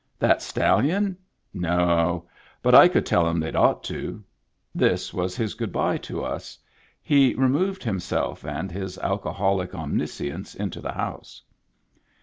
"That stallion? No! But I could tell 'em they'd ought to." This was his good by to us ; he removed himself and his alcoholic omniscience into the house.